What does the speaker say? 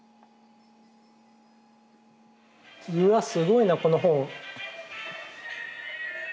うわっすごいなこの本。